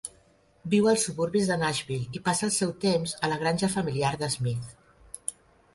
Viu als suburbis de Nashville i passa el seu temps a la granja familiar de Smith.